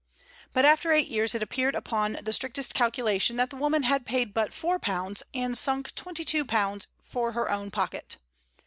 But after eight years it appeared upon the strictest calculation that the woman had paid but £4, and sunk £22 for her own pocket.